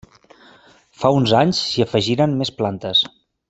Fa uns anys s'hi afegiren més plantes.